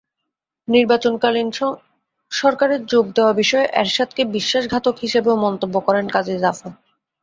নির্বাচনকালীন সরকারে যোগ দেওয়া বিষয়ে এরশাদকে বিশ্বাসঘাতক হিসেবেও মন্তব্য করেন কাজী জাফর।